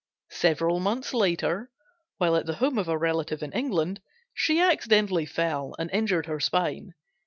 Several months later, while at the home of a relative in England, she accidentally fell and injured her spine.